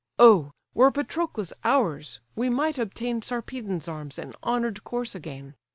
Oh! were Patroclus ours, we might obtain Sarpedon's arms and honour'd corse again!